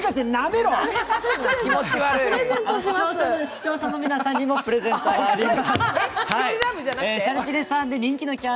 視聴者の皆さんにもプレゼント、あります。